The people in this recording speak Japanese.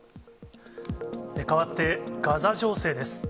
変わって、ガザ情勢です。